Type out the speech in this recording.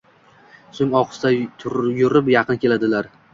So‘ng ohista yurib yaqin keladilar.